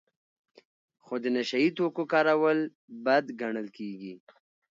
خو د نشه یي توکو کارول بد ګڼل کیږي.